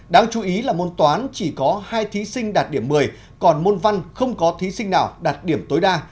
đáng chú ý là môn toán chỉ có hai thí sinh đạt điểm một mươi còn môn văn không có thí sinh nào đạt điểm tối đa